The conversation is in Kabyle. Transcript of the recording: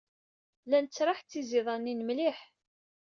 La nettraḥ d tiẓidanin mliḥ.